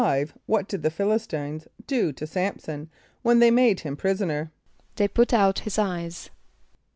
= What did the Ph[)i] l[)i]s´t[)i]ne[s+] do to S[)a]m´son when they made him prisoner? =They put out his eyes.